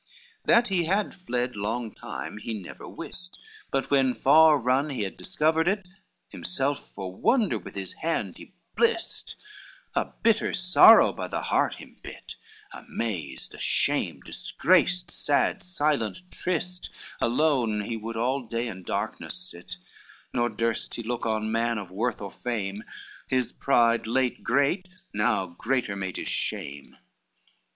XXIX That he had fled long time he never wist, But when far run he had discoverd it, Himself for wonder with his hand he blist, A bitter sorrow by the heart him bit, Amazed, ashamed, disgraced, sad, silent, trist, Alone he would all day in darkness sit, Nor durst he look on man of worth or fame, His pride late great, now greater made his shame.